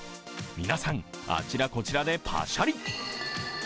皆さん、あちらこちらでパシャリ。